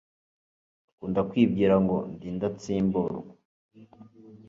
Akunda kwibwira ngo Ndi indatsimburwa